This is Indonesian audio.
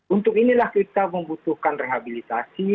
untuk inilah kita membutuhkan rehabilitasi